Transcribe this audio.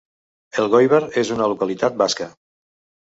Elgoibar és una localitat basca.